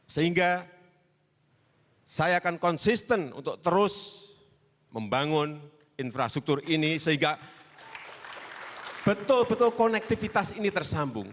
sehingga saya akan konsisten untuk terus membangun infrastruktur ini sehingga betul betul konektivitas ini tersambung